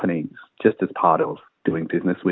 hanya sebagai bagian dari berbisnis dengan mereka